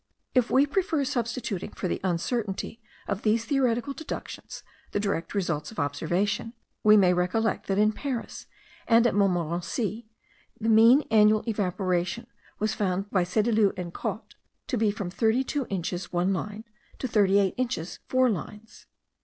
If we prefer substituting for the uncertainty of these theoretical deductions the direct results of observation, we may recollect that in Paris, and at Montmorency, the mean annual evaporation was found by Sedileau and Cotte, to be from 32 in. 1 line to 38 in. 4 lines.